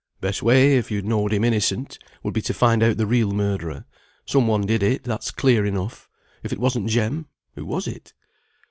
"Best way, if you know'd him innocent, would be to find out the real murderer. Some one did it, that's clear enough. If it wasn't Jem, who was it?"